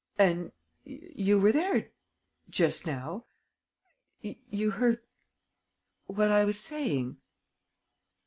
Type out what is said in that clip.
And you were there just now?... You heard what I was saying